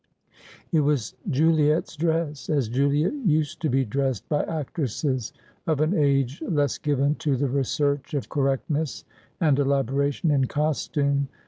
It was J uliet's dress, as Juliet used to be dressed by actresses of an age less given to the research of correctness and elaboration in cos tume.